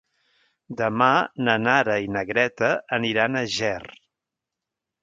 Demà na Nara i na Greta aniran a Ger.